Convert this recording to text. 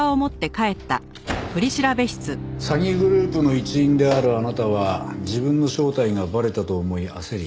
詐欺グループの一員であるあなたは自分の正体がバレたと思い焦り